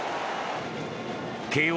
慶応